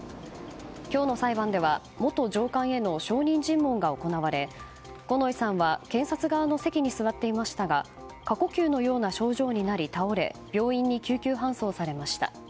今日の裁判では元上官への証人尋問が行われ五ノ井さんは検察側の席に座っていましたが過呼吸のような症状になり倒れ病院に救急搬送されました。